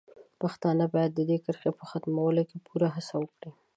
پښتانه باید د دې کرښې په ختمولو کې پوره هڅه وکړي.